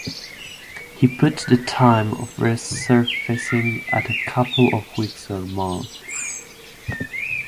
He put the time of resurfacing at a couple of weeks or months.